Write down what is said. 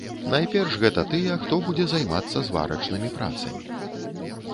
Найперш гэта тыя, хто будзе займацца зварачнымі працамі.